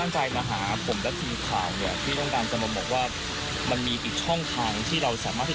ช่วงตรงข้างผนังทางออกประมาณตรงตรงเนี่ย